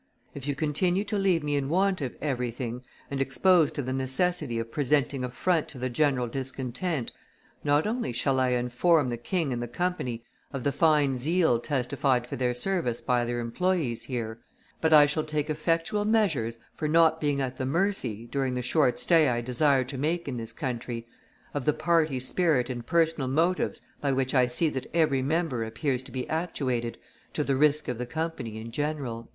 If you continue to leave me in want of everything and exposed to the necessity of presenting a front to the general discontent, not only shall I inform the king and the Company of the fine zeal testified for their service by their employees here, but I shall take effectual measures for not being at the mercy, during the short stay I desire to make in this country, of the party spirit and personal motives by which I see that every member appears to be actuated to the risk of the Company in general."